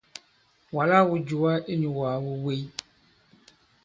Wàlā wū jùwa inyū wàa wu wèy.